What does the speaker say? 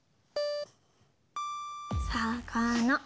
さかな。